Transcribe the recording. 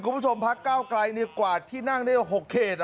คุณผู้ชมพักก้าวไกลกว่าที่นั่งได้๖เขต